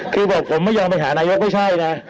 คือบอกผมไม่ยอมไปหานายกไม่ใช่นะ